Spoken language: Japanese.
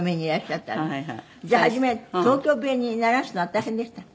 じゃあ初め東京弁に慣らすのは大変でした？